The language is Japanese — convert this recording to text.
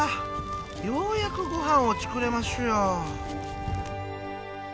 ようやくごはんを作れますよ。